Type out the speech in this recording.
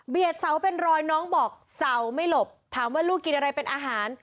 เสาเป็นรอยน้องบอกเสาไม่หลบถามว่าลูกกินอะไรเป็นอาหาร